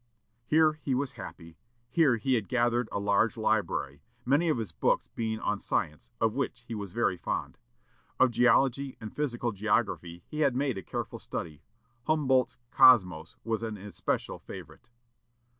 '" Here he was happy. Here he had gathered a large library, many of his books being on science, of which he was very fond. Of geology and physical geography he had made a careful study. Humboldt's "Cosmos" was an especial favorite.